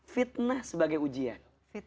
fitnah sebagai ujian